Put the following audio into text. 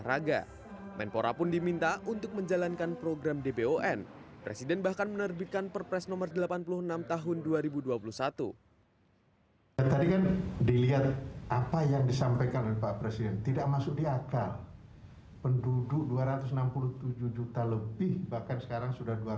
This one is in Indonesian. tidak masuk di akal penduduk dua ratus enam puluh tujuh juta lebih bahkan sekarang sudah dua ratus tujuh puluh mungkin